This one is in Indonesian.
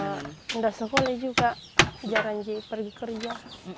karena udah sekolah juga jarang sih pergi kerja